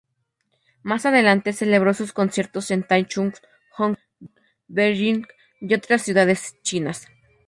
Más adelante celebró sus conciertos en Taichung, Hong Kong, Beijing y otras ciudades chinas.